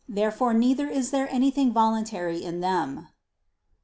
Therefore neither is there anything voluntary in them.